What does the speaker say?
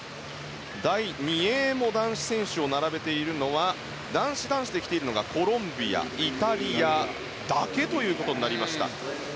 第２泳も男子選手を並べている男子、男子で来ているのがコロンビア、イタリアだけとなりました。